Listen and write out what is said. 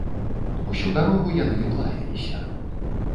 Усю дарогу яны лаяліся.